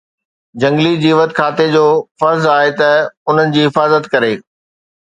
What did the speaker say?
جهنگلي جيوت کاتي جو فرض آهي ته انهن جي حفاظت ڪري